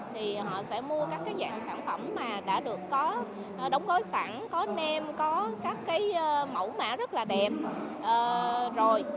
thì họ sẽ mua các cái dạng sản phẩm mà đã được có đóng gói sẵn có nem có các cái mẫu mã rất là đẹp rồi